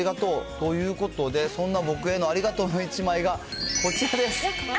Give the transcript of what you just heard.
ということで、そんな僕へのありがとうの１枚がこちらです。